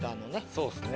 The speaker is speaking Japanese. そうっすね。